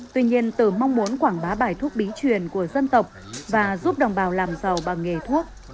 tuy nhiên từ mong muốn quảng bá bài thuốc bí truyền của dân tộc và giúp đồng bào làm giàu bằng nghề thuốc